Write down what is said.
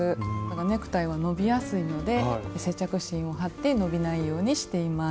ネクタイは伸びやすいので接着芯を貼って伸びないようにしています。